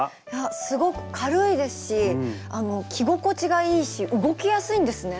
すごく軽いですし着心地がいいし動きやすいんですね。